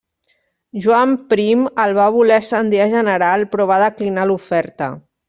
Joan Prim el va voler ascendir a general però va declinar l'oferta.